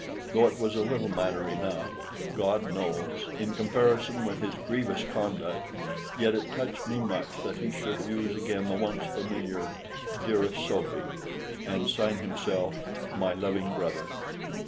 Though it was a little matter enough, God knows, in comparison with his grievous conduct, yet it touched me much that he should use again the once familiar "Dearest Sophy," and sign himself "my loving brother."